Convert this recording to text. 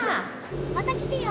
また来てよ。